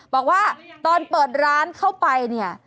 บอกว่าตอนเปิดร้านเข้าไปเนี่ย